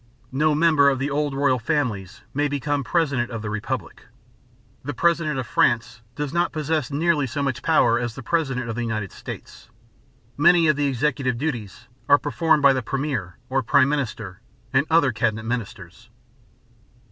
No member of the old royal families may become president of the republic. The president of France does not possess nearly so much power as the president of the United States. Many of the executive duties are performed by the premier, or prime minister, and other cabinet ministers.